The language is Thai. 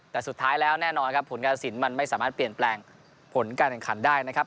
แต่สุดท้ายแล้วแน่นอนครับผลการสินมันไม่สามารถเปลี่ยนแปลงผลการแข่งขันได้นะครับ